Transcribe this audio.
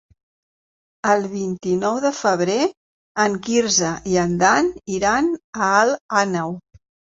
El vint-i-nou de febrer en Quirze i en Dan iran a Alt Àneu.